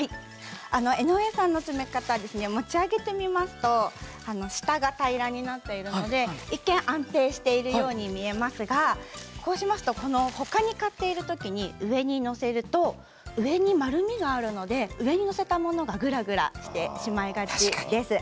江上さんの詰め方だと持ち上げると下が平らになっているので一見安定しているように見えますが他にものを買っている時に上に載せると上に丸みがあるのでぐらぐらしてしまいます。